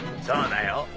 そうだよ